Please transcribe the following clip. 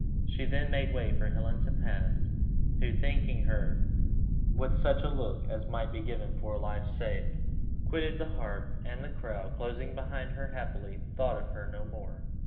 She then made way for Helen to pass, who, thanking her with such a look as might be given for a life saved, quitted the harp, and the crowd, closing behind her, happily thought of her no more.